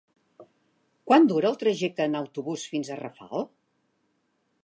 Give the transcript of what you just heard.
Quant dura el trajecte en autobús fins a Rafal?